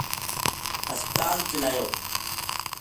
ہسپتال چلایو